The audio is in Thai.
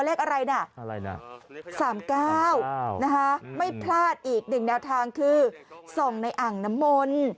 เลขอะไรน่ะสามเก้านะฮะไม่พลาดอีก๑แนวทางคือส่องในอ่างน้ำมน